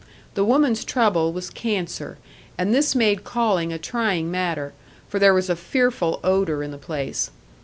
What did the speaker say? The woman's trouble was cancer, and this made calling a trying matter, for there was a fearful odour in the place.